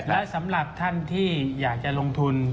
และสำหรับท่านที่อยากจะลงทุน